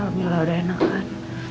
alhamdulillah udah enak kan